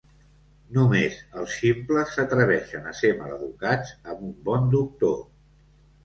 Només els ximples s"atreveixen a ser maleducats amb un bon doctor.